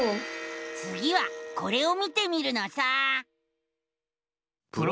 つぎはこれを見てみるのさ！